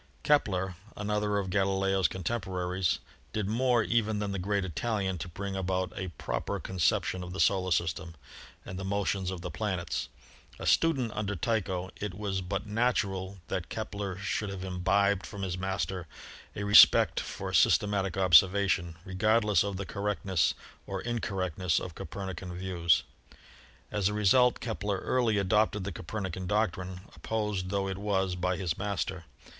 Kepler, another of Galileo's contemporaries, did more even than the great Italian to bring about a proper con ception of the solar system and the motions of the planets. A student under Tycho, it was but natural that Kepler should have imbibed from his master a respect for syste matic observation, regardless of the correctness or incor rectness of Copernican views. As a result Kepler early adopted the Copernican doctrine, opposed tho it was by his master.